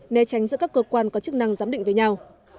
né tránh giữa các cơ quan có chức năng giám định với nhau